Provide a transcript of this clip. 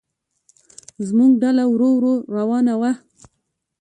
زموږ ډله ورو ورو روانه وه.